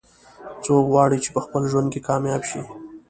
څوک غواړي چې په خپل ژوند کې کامیاب شي